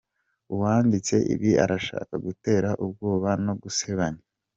Uwanditse ibi arashaka gutera ubwoba no gusebanya.